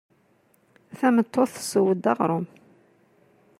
Tameṭṭut tessew-d aɣṛum.